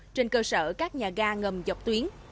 trên cơ sở các nhà ga ngầm dọc tuyến